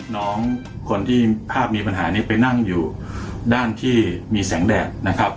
น้องคนที่ภาพมีปัญหานี้ไปนั่งอยู่ด้านที่มีแสงแดดนะครับ